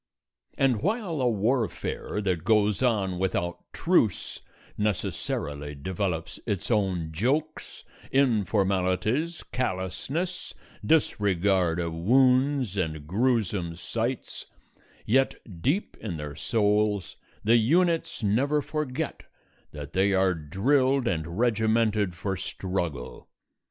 And while a warfare that goes on without truce necessarily develops its own jokes, informalities, callousnesses, disregard of wounds and gruesome sights, yet deep in their souls the units never forget that they are drilled and regimented for struggle.